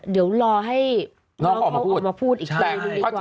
เดี๋ยวรอให้น้องเขาออกมาพูดอีกทีดีกว่า